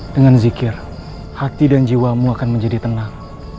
dengan zikir hati dan jiwamu akan menjadi tenang